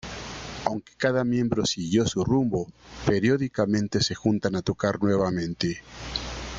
Aunque cada miembro siguió su rumbo, periódicamente se juntan a tocar nuevamente.